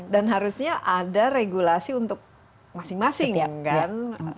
dan harusnya ada regulasi untuk masing masing kan